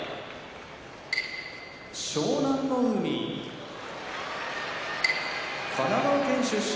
湘南乃海神奈川県出身